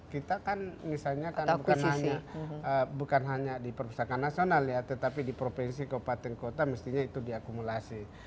kita kan misalnya bukan hanya di perpustakaan nasional ya tetapi di provinsi kabupaten kota mestinya itu diakumulasi